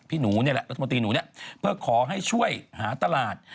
พี่หนูนี่แหละรัฐมนตรีหนูเนี่ยเพื่อขอให้ช่วยหาตลาด